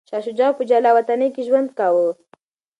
شاه شجاع په جلاوطنۍ کي ژوند کاوه.